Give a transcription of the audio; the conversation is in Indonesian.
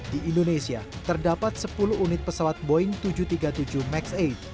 di indonesia terdapat sepuluh unit pesawat boeing tujuh ratus tiga puluh tujuh max delapan